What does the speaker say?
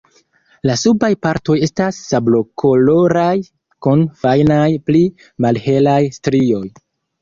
La subaj partoj estas sablokoloraj kun fajnaj pli malhelaj strioj.